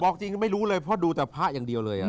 จริงไม่รู้เลยเพราะดูแต่พระอย่างเดียวเลย